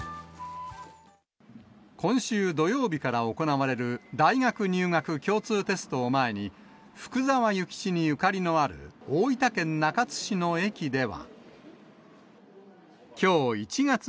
今週土曜日から行われる大学入学共通テストを前に、福沢諭吉にゆかりのある大分県中津市の駅では。